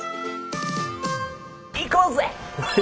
行こうぜ！